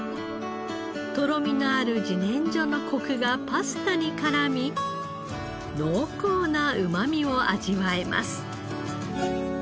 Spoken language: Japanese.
とろみのある自然薯のコクがパスタに絡み濃厚なうまみを味わえます。